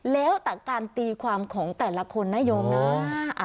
แล้วแต่การตีความของแต่ละคนนะโยมนะ